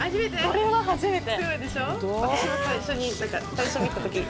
これは初めて。